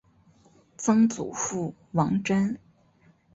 曾祖父王珍。